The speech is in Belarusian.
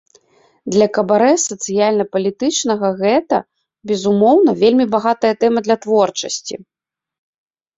Для кабарэ сацыяльна-палітычнага гэта, безумоўна, вельмі багатая тэма для творчасці.